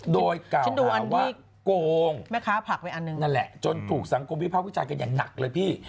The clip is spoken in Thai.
โดยกล่าวว่าโกงนั่นแหละจนถูกสังคมวิพาควิจัยกันอย่างหนักเลยพี่